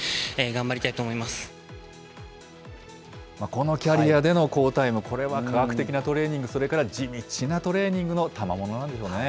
このキャリアでの好タイム、これは科学的なトレーニング、それから地道なトレーニングの賜物なんでしょうね。